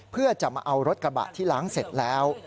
เพื่อจะมาเอารถกระบะที่ล้างเสร็จแล้ว